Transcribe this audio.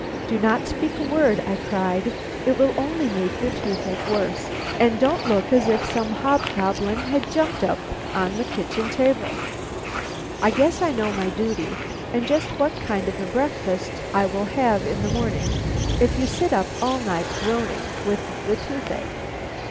"Don't speak a word," I cried, "it will only make your toothache worse; and don't look as if some hobgoblin had jumped up on the kitchen table. I guess I know my duty, and just what kind of a breakfast I will have in the morning, if you sit up all night groaning with the toothache."